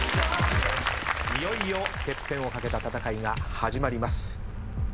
いよいよＴＥＰＰＥＮを懸けた戦いが始まります。